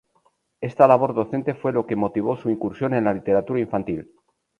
Esta labor docente fue lo que motivó su incursión en la literatura infantil.